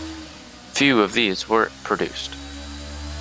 Few of these were produced.